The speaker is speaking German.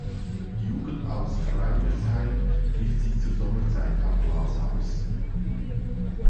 Die Jugend aus Freimersheim trifft sich zur Sommerzeit am Glashaus.